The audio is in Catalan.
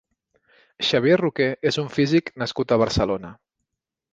Xavier Roqué és un físic nascut a Barcelona.